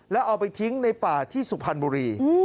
แล้วเอาไปทิ้งในป่าที่สุพรรณบุรี